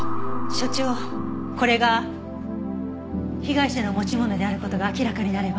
所長これが被害者の持ち物である事が明らかになれば。